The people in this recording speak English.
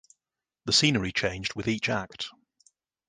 The scenery changed with each act.